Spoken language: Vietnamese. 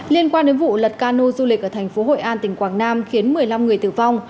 liên quan đến vụ lật cano du lịch ở thành phố hội an tỉnh quảng nam khiến một mươi năm người tử vong